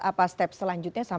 apa step selanjutnya